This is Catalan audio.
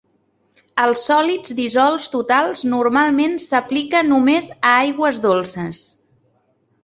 Els sòlids dissolts totals normalment s'aplica només a aigües dolces.